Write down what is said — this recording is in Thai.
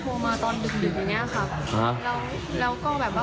พอถามน้องน้องบอกมีโดนหลายคนเลยค่ะ